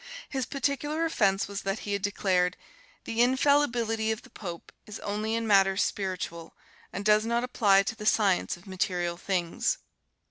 His particular offense was that he had declared, "The infallibility of the Pope is only in matters spiritual, and does not apply to the science of material things."